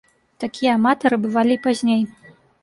Такія аматары бывалі і пазней.